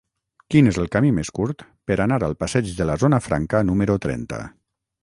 Quin és el camí més curt per anar al passeig de la Zona Franca número trenta?